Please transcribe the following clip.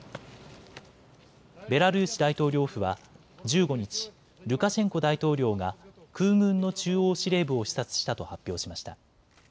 ベラルーシ大統領府は１５日、ルカシェンコ大統領が空軍の中央司令部を視察したと発表しました。